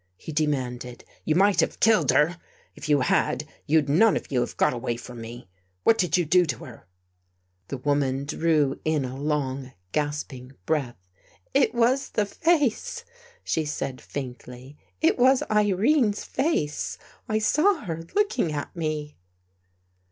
he de manded. " You might have killed her. If you had, you'd none of you have got away from me. What did you do to her? " The woman drew in a long gasping breath. " It FIGHTING THE DEVIL WITH FIRE was the face," she said faintly. " It was Irene's face. I saw her looking at me."